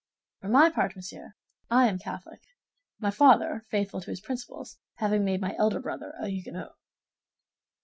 For my part, monsieur, I am Catholic—my father, faithful to his principles, having made my elder brother a Huguenot."